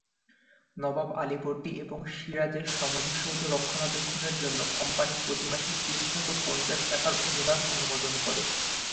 নওয়াব আলীবর্দী এবং সিরাজের সমাধিসৌধ রক্ষণাবেক্ষণের জন্য কোম্পানি প্রতি মাসে তিনশত পঞ্চাশ টাকার অনুদান অনুমোদন করে।